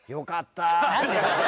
何でだよ！